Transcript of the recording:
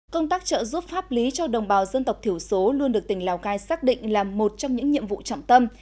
công tác trợ giúp pháp lý cho đồng bào dân tộc thiểu số luôn được tỉnh lào cai xác định là một trong những nhiệm vụ trọng tâm